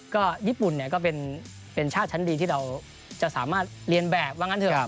ก็ญี่ปุ่นเนี่ยก็เป็นชาติชั้นดีที่เราจะสามารถเรียนแบบว่างั้นเถอะ